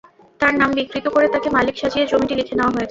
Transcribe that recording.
তার নাম বিকৃত করে তাঁকে মালিক সাজিয়ে জমিটি লিখে নেওয়া হয়েছে।